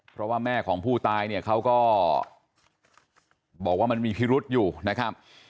เพราะว่าแม่ของผู้ตายเนี่ยเขาก็บอกว่ามันมีพิรุษอยู่นะครับ